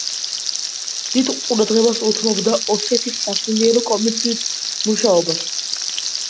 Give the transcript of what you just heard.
დიდ ყურადღებას უთმობდა ოსეთის სასულიერო კომისიის მუშაობას.